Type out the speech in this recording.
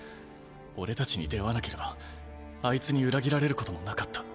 俺たちに出会わなければあいつに裏切られることもなかった。